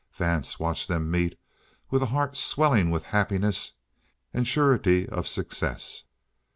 Vance watched them meet with a heart swelling with happiness and surety of success.